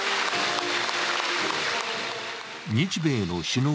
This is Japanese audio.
日米の首脳